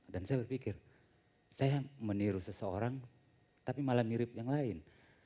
dan saya berpikir saya meniru seseorang tapi malah mirip yang lain